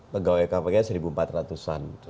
pegawai kpk seribu empat ratus an